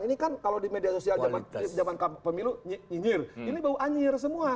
ini kan kalau di media sosial zaman pemilu nyinyir ini bau anjir semua